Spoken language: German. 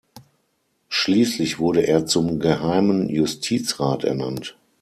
Schließlich wurde er zum Geheimen Justizrat ernannt.